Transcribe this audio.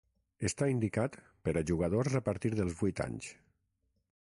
Està indicat per a jugadors a partir dels vuit anys.